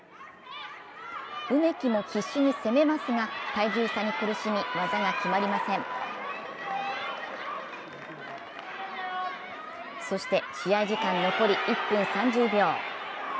梅木も必死に攻めますが体重差に苦しみ、技が決まりませんそして試合時間残り１分３０秒。